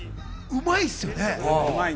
うまいっすよね。